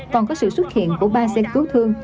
còn có sự xuất hiện của ba xe cứu thương